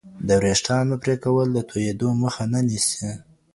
د وریښتانو پرې کول د توېدو مخه نه نیسي.